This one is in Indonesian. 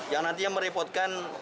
yang nantinya merepotkan